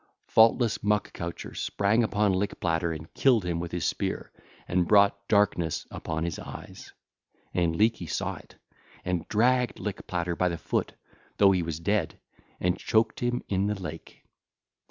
Faultless Muck coucher sprang upon Lick platter and killed him with his spear and brought darkness upon his eyes: and Leeky saw it, and dragged Lick platter by the foot, though he was dead, and choked him in the lake.